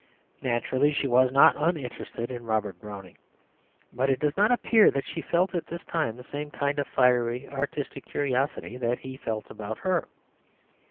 Naturally she was not uninterested in Robert Browning, but it does not appear that she felt at this time the same kind of fiery artistic curiosity that he felt about her.